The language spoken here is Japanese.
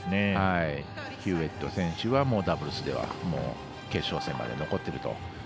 ヒューウェット選手はダブルスではきょう決勝まで残っていると。